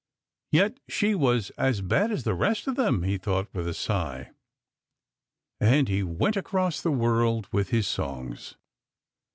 " Yet she was as bad as the rest of them," he thought with a sigh. And he went across the world with his songs.